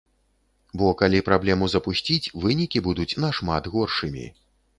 Бо калі праблему запусціць, вынікі будуць нашмат горшымі.